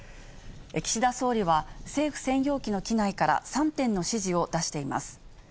岸田総理は、政府専用機の機内から３点の指示を出しています。